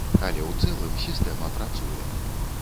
Але ў цэлым сістэма працуе.